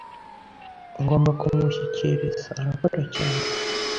Ngomba kumushyikiriza. Arakora cyane.